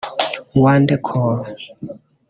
Wande Coal